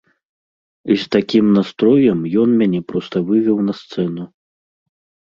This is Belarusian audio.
І з такім настроем ён мяне проста вывеў на сцэну.